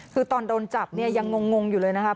คือตอนโดนจับเนี่ยยังงงอยู่เลยนะครับ